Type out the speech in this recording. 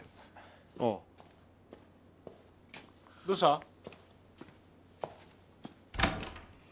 どうした？